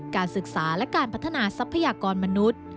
การศึกษาและการพัฒนาทรัพยากรมนุษย์